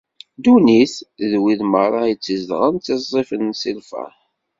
Ddunit d wid merra i tt-izedɣen, ttiẓẓifen si lferḥ.